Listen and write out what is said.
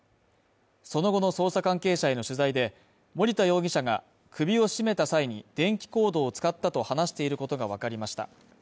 その後の捜査関係者への取材で森田容疑者が首を絞めた際に電気コードを使ったと話していることがわかりました。